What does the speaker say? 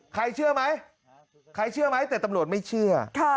เชื่อไหมใครเชื่อไหมแต่ตำรวจไม่เชื่อ